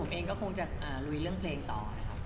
ผมเองก็คงจะลุยเรื่องเพลงต่อครับ